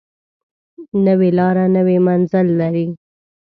نوې لاره نوی منزل لري